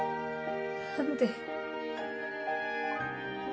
何で。